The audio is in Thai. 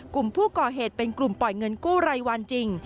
กลุ่มผู้ก่อเหตุเป็นกลุ่มปล่อยเงินกู้รายวันจริง